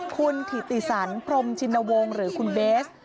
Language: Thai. คุณถิติสันพรมชินวงศ์หรือคุณเบส